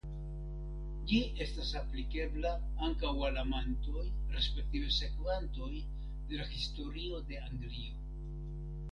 Ĝi estas aplikebla ankaŭ al amantoj (respektive sekvantoj) de la Historio de Anglio.